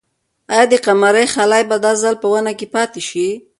آیا د قمرۍ خلی به دا ځل په ونې کې پاتې شي؟